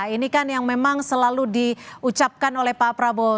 ini kan yang memang selalu diucapkan oleh pak prabowo